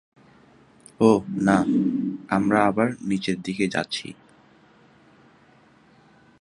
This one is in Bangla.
ওহ, না, আমরা আবার নিচের দিকে যাচ্ছি!